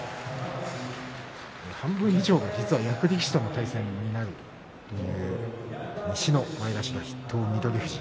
半分以上が役力士との対戦になる西の前頭筆頭の翠富士。